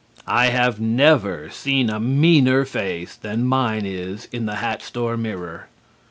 I have never seen a meaner face than mine is in the hat store mirror.